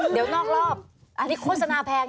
เดี๋ยวนอกรอบอันนี้โฆษณาแพง